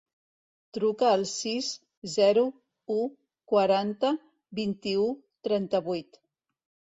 Truca al sis, zero, u, quaranta, vint-i-u, trenta-vuit.